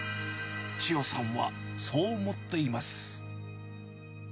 千代さんはそう思っています。